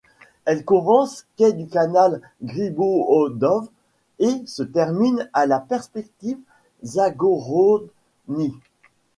Elle commence quai du canal Griboïedov et se termine à la perspective Zagorodny.